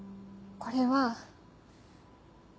これは。